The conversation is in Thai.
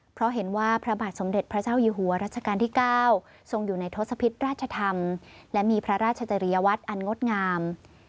เพราะเห็นว่าพระบาทสมเด็จพระเจ้าอยู่หัวรัชกาลที่๙ทรงอยู่ในทศพิษราชธรรมและมีพระราชจริยวัตรอันงดงาม